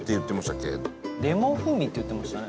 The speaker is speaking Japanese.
八乙女：レモン風味って言ってましたね。